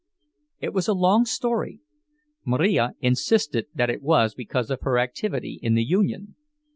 It was a long story. Marija insisted that it was because of her activity in the union.